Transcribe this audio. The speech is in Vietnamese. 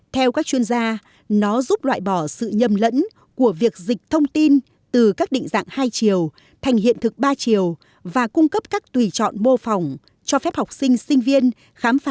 theo các chuyên gia nó giúp loại bỏ sự nhầm lẫn của việc dịch thông tin từ các định dạng hai chiều thành hiện thực ba chiều và cung cấp các tùy chọn mô phỏng cho phép học sinh sinh viên khám phá